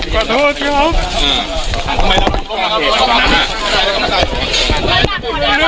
ขอโทษที่หรอ